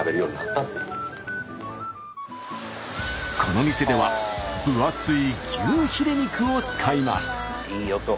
この店では分厚い牛ヒレ肉を使います。